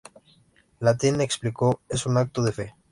Lalín explicó: "Es un acto de fe.